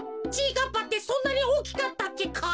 かっぱってそんなにおおきかったっけか？